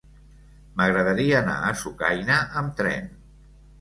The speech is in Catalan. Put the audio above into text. M'agradaria anar a Sucaina amb tren.